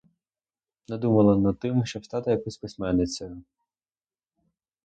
Не думала над тим, щоб стати якоюсь письменницею.